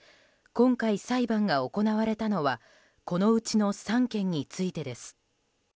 今回、裁判が行われたのはこのうちの３件についてです。